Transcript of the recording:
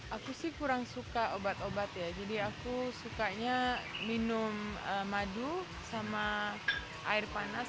aku sih kurang suka obat obat ya jadi aku sukanya minum madu sama air panas